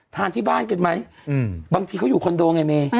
ทานที่บ้านกันไหมบางทีเขาอยู่คอนโดไงเม